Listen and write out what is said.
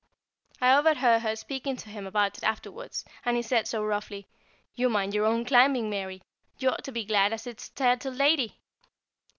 I overheard her speaking to him about it afterwards, and he said so roughly, "You mind your own climbing, Mary; you ought to be glad as it's a titled lady!"